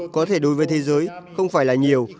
có thể đối với thế giới không phải là nhiều